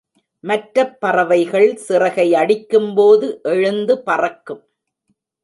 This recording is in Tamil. மற்றப் பறவைகள் சிறகை அடிக்கும்போது எழுந்து பறக்கும்.